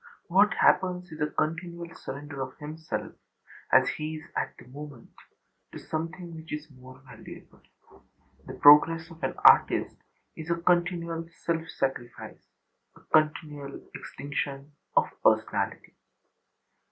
What happens is a continual surrender of himself as he is at the moment to something which is more valuable. The progress of an artist is a continual self sacrifice, a continual extinction of personality.